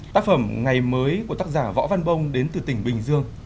tác phẩm ngày mới của tác giả võ văn bông đến từ tỉnh bình dương